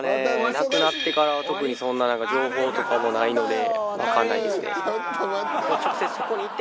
なくなってからは特にそんななんか情報とかもないのでわかんないですね。